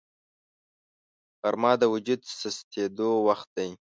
غرمه د وجود سستېدو وخت دی